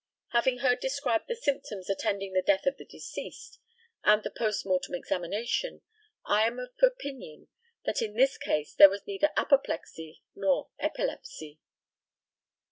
Having heard described the symptoms attending the death of the deceased, and the post mortem examination, I am of opinion that in this case there was neither apoplexy nor epilepsy.